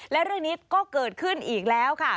และเรื่องนี้ก็เกิดขึ้นอีกแล้วค่ะ